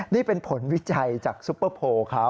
นี่เป็นผลวิจัยจากซุปเปอร์โพลเขา